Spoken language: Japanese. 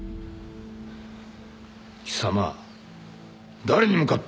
貴様誰に向かって。